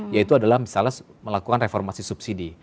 yaitu adalah misalnya melakukan reformasi subsidi